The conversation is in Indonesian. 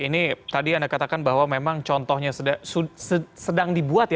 ini tadi anda katakan bahwa memang contohnya sedang dibuat